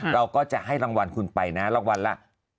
เราก็จะให้รางวัลคุณไปนะรางวัลละ